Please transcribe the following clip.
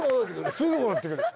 すぐ戻ってくる。